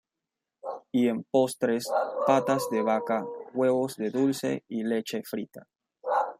Y en postres, patas de vaca, huevos de dulce y leche frita.